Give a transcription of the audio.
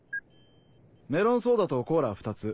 メロンソーダとコーラ２つ。